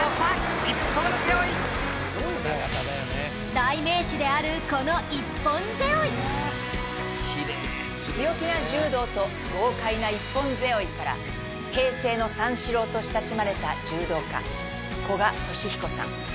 代名詞であるこの強気な柔道と豪快な一本背負いから「平成の三四郎」と親しまれた柔道家古賀稔彦さん。